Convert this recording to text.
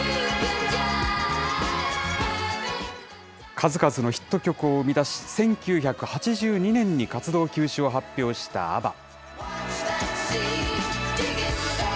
数々のヒット曲を生み出し、１９８２年に活動休止を発表したＡＢＢＡ。